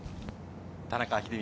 田中秀道